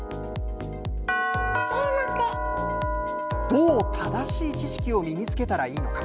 どう正しい知識を身につけたらいいのか。